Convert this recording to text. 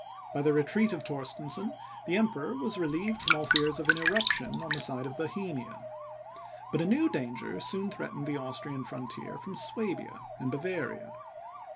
By the retreat of Torstensohn, the Emperor was relieved from all fears of an irruption on the side of Bohemia. But a new danger soon threatened the Austrian frontier from Suabia and Bavaria.